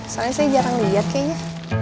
soalnya saya jarang lihat kayaknya